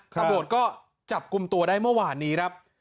ตำรวจก็จับกลุ่มตัวได้เมื่อวานนี้ครับ